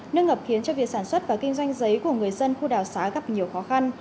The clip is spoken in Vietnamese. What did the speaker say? nước ngập khiến cho việc sản xuất và kinh doanh giấy của người dân khu đảo xá gặp nhiều khó khăn